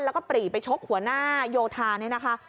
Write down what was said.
แล้วก็ปรีไปชกหัวหน้าโยธาเนี่ยนะคะ